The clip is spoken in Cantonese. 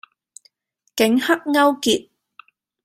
警黑勾結